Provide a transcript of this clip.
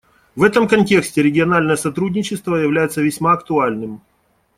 В этом контексте региональное сотрудничество является весьма актуальным.